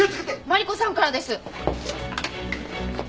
マリコさんからです。